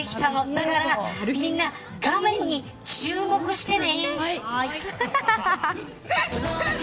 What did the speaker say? だからみんな画面に注目してね。